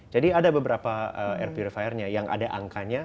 jadi ada beberapa air purifiernya yang ada angkanya